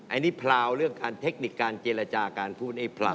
อันนี้พราวเรื่องการเทคนิคการเจรจาการพูดให้ผลั